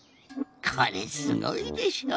これすごいでしょ。